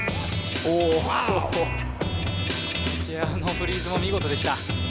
フリーズも見事でした。